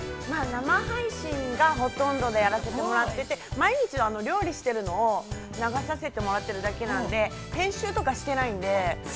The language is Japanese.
◆生配信がほとんどでやらせてもらっていて、毎日料理してるのを流させてもらっているので、編集とかしてないので。